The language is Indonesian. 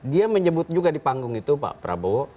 dia menyebut juga di panggung itu pak prabowo